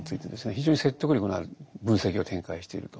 非常に説得力のある分析を展開していると。